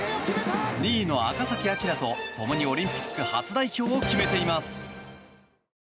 ２位の赤崎暁とともにオリンピック初代表を決めています。